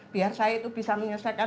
biar saya itu bisa menyelesaikan